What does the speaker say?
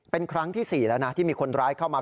เป็นครั้งที่๔แล้วนะที่มีคนร้ายเข้ามา